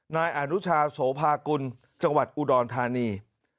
นายอนุชาโสภากุลจังหวัดอุดรธานี